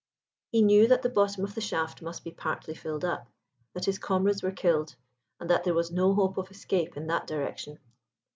He knew that the bottom of the shaft must be partly filled up, that his comrades were killed, and that there was no hope of escape in that direction.